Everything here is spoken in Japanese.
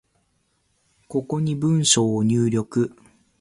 ここに文章を入力